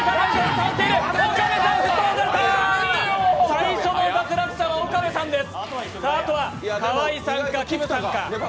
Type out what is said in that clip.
最初の脱落者は岡部さんです。